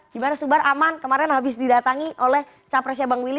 gimana subar aman kemarin habis didatangi oleh capresnya bang will